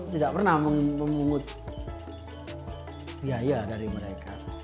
tidak pernah memungut biaya dari mereka